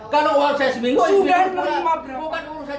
kalau uang saya seminggu bukan urusannya seminggu